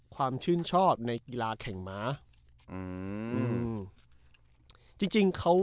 ความชื่นชอบในกีฬาแข่งม้า